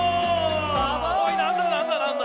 おいなんだなんだなんだ？